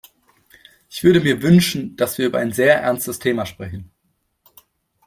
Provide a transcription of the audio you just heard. Ich würde mir wünschen, dass wir über ein sehr ernstes Thema sprechen.